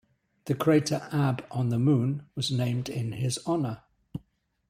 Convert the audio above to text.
The crater Abbe on the Moon was named in his honour.